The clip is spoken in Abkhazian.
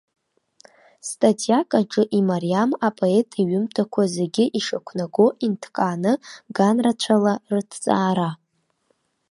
Статиак аҿы имариам апоет иҩымҭақәа зегьы ишақәнаго инҭкааны, ганрацәала рыҭҵаара.